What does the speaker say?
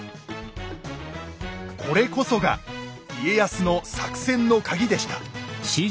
これこそが家康の作戦のカギでした。